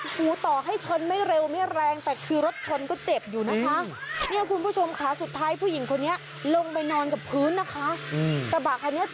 ต่อให้ชนไม่เร็วไม่แรงแต่คือรถชนก็เจ็บอยู่นะคะ